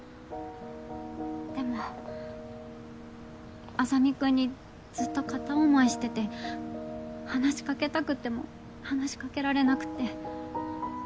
でも莇君にずっと片思いしてて話しかけたくても話しかけられなくて。